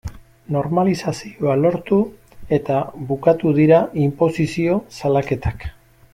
Normalizazioa lortu eta bukatu dira inposizio salaketak.